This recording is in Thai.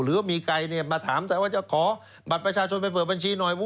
หรือว่ามีใครมาถามแต่ว่าจะขอบัตรประชาชนไปเปิดบัญชีหน่อย